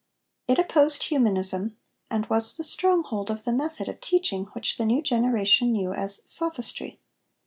It opposed Humanism, and was the stronghold of the method of teaching which the new generation knew as 'Sophistry.'